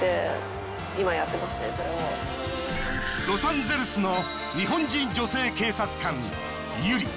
ロサンゼルスの日本人女性警察官ＹＵＲＩ。